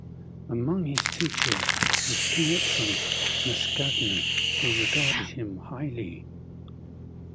Among his teachers was Pietro Mascagni, who regarded him highly.